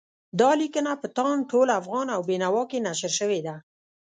دا لیکنه په تاند، ټول افغان او بېنوا کې نشر شوې ده.